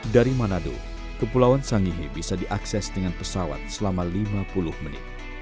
dari manado kepulauan sangihe bisa diakses dengan pesawat selama lima puluh menit